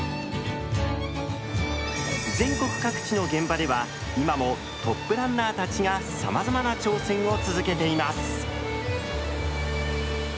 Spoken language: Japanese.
全国各地の現場では今もトップランナーたちがさまざまな挑戦を続けています。